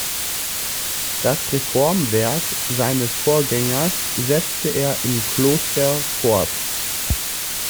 Das Reformwerk seines Vorgängers setzte er im Kloster fort.